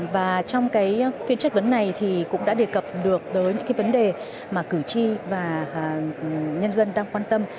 và trong phiên chất vấn này thì cũng đã đề cập được tới những cái vấn đề mà cử tri và nhân dân đang quan tâm